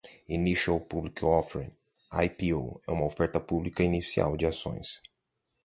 Initial Public Offering (IPO) é a oferta pública inicial de ações.